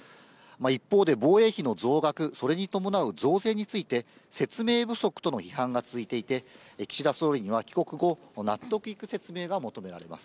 一方で、防衛費の増額、それに伴う増税について、説明不足との批判が続いていて、岸田総理には帰国後、納得いく説明が求められます。